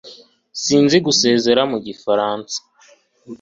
Sinzi gusezera mu gifaransa